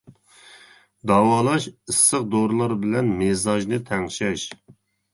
داۋالاش: ئىسسىق دورىلار بىلەن مىزاجنى تەڭشەش.